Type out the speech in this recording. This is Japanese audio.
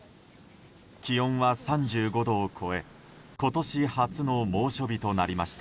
気温は３５度を超え今年初の猛暑日となりました。